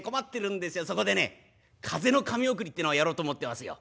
そこでね風の神送りってのをやろうと思ってますよ」。